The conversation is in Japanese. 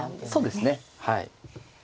そうですねはい。